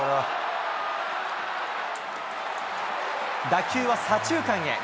打球は左中間へ。